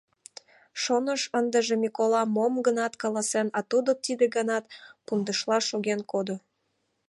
Шоныш, ындыже Микола мом-гынат каласен, а тудо тиде ганат пундышла шоген кодо.